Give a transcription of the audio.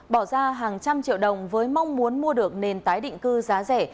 bỏ ra hàng trăm triệu đồng với mong muốn mua được nền tái định cư giá rẻ